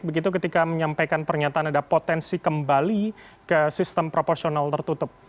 begitu ketika menyampaikan pernyataan ada potensi kembali ke sistem proporsional tertutup